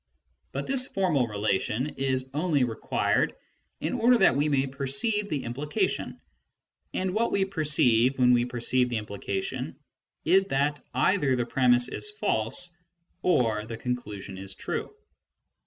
But this formal relation is only required in order that we may perceive the implication, and what we perceive when we perceive the implication is that either the premiss is false or the conclusion is true.